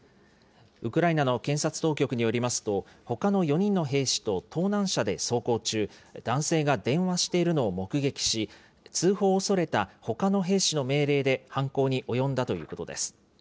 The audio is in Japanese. ウクライナの検察当局によりますと、ほかの４人の兵士と盗難車で走行中、男性が電話しているのを目撃し、通報を恐れたほかの兵士の命令で犯行に及んだということです。